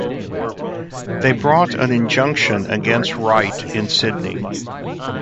They brought an injunction against Wright in Sydney.